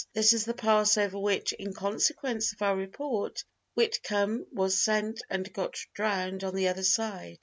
This is the pass over which, in consequence of our report, Whitcombe was sent and got drowned on the other side.